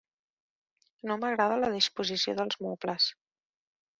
No m'agrada la disposició dels mobles.